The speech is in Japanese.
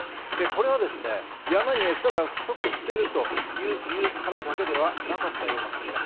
これは山に餌が不足しているからという理由だけではなかったんですね。